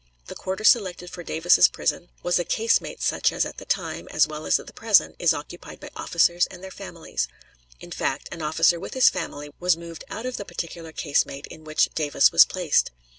The quarter selected for Davis's prison was a casemate such as at that time, as well as at the present, is occupied by officers and their families. In fact, an officer with his family was moved out of the particular casemate in which Davis was placed.